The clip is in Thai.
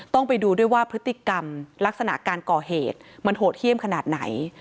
ต้องไปดูด้วยว่าพฤติกรรมลักษณะการก่อเหตุมันโหดเยี่ยมขนาดไหน